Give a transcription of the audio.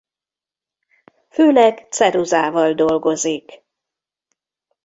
Főleg ceruzával dolgozik.